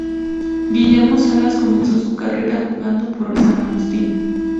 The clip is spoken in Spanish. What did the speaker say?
Guillermo Salas comenzó su carrera jugando por San Agustín.